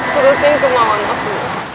curutin kemauan aku